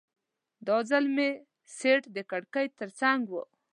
دا ځل مې سیټ د کړکۍ ترڅنګ و.